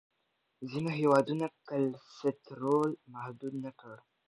ځینو هېوادونو کلسترول محدود نه کړ.